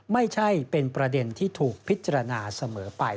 ไม่ใช่เป็นประเด็นที่ถูกพิจารณาเสมอไป